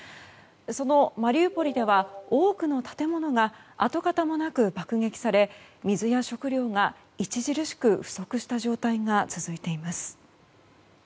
そのマリウポリでは多くの建物が跡形もなく爆撃され、水や食料が著しく不足した状態が続いています。